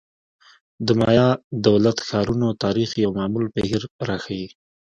د مایا دولت-ښارونو تاریخ یو معمول بهیر راښيي.